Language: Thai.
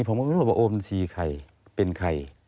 ผมก็ไม่รู้ว่าโอนบัญชีใครเป็นใคร